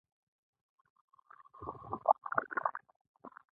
د خلکو خولې بويي.